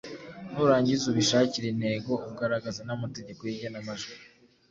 nurangiza ubishakire intego ugaragaza n’amategeko y’igenamajwi.